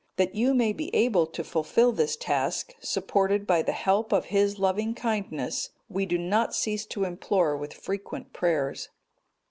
That you may be able to fulfil this task, supported by the help of His loving kindness we do not cease to implore with frequent prayers.